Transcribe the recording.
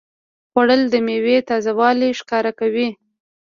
خوړل د میوې تازهوالی ښکاره کوي